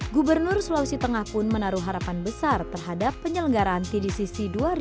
gubernur sulawesi tengah pun menaruh harapan besar terhadap penyelenggaran tdcc dua ribu tujuh belas